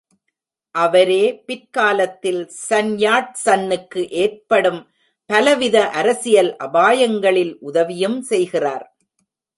அவரே பிற்காலத்தில் Sun Yat சன்னுக்கு ஏற்படும் பலவித அரசியல் அபாயங்களில் உதவியும் செய்கிறார்.